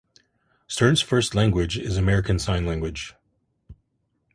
Stern's first language is American Sign Language.